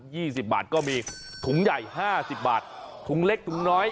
สิบบาทก็มีถุงใหญ่ห้าสิบบาทถุงเล็กถุงน้อย